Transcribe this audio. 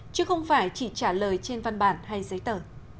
chứ không phải chỉ trả lời trên văn bản hay giấy tờ